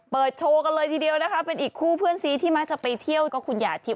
เมืองนี่เมืองลมแรงเนาะ